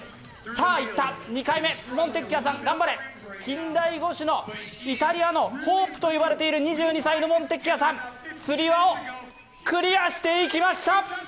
さあいった、２回目、モンテキアさん、頑張れ、近代五種のイタリアのホープといわれている２２歳、つり輪をクリアしていきました。